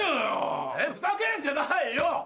えっふざけんじゃないよ。